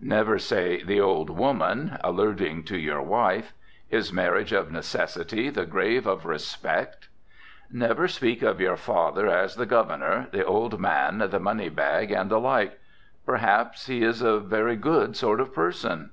Never say "the old woman," alluding to your wife. Is marriage of necessity the grave of respect? Never speak of your father as "the governor," "the old man," "the money bag," and the like. Perhaps, he is a very good sort of person.